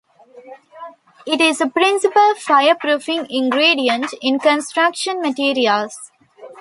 It is a principal fireproofing ingredient in construction materials.